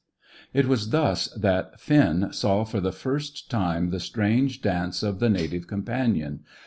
It was thus that Finn saw for the first time the strange dance of the Native Companion.